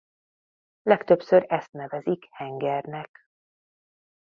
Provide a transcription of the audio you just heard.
Legtöbbször ezt nevezik hengernek.